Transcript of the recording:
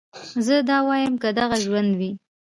زه دا واييم که دغه ژوند وي